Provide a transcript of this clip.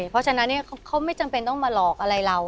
เพราะฉะนั้นเขาไม่จำเป็นต้องมาหลอกอะไรเรา